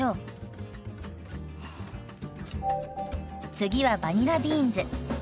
次はバニラビーンズ。